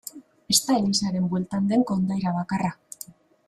Ez da elizaren bueltan den kondaira bakarra.